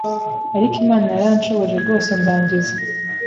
ariko Imana yaranshoboje rwose ndangiza